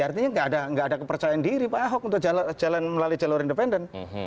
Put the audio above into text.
artinya tidak ada kepercayaan diri pak ahok untuk jalan melalui jalur independen